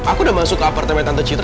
aku udah masuk ke apartemen tante citra